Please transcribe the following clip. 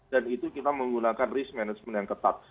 dan itu kita menggunakan risk management yang ketat